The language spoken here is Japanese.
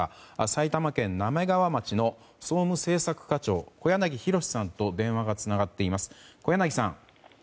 埼玉県滑川町の総務政策課長、小柳博司さんと電話がつながっています。